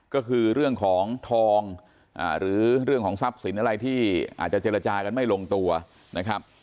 ก็คือเรื่องของทองหรือเรื่องของทรัพย์สินอะไรที่อาจจะเจรจากันไม่ลงตัวนะครับ